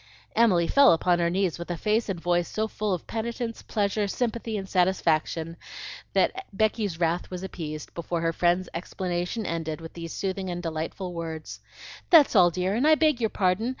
Emily fell upon her knees with a face and voice so full of penitence, pleasure, sympathy, and satisfaction, that Becky's wrath was appeased before her friend's explanation ended with these soothing and delightful words, "That's all, dear, and I beg your pardon.